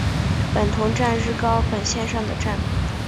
本桐站日高本线上的站。